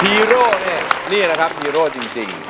ฮีโร่เนี่ยนี่แหละครับฮีโร่จริง